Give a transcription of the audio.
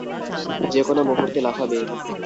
যেকোনো মুহুর্তে লাফাবে।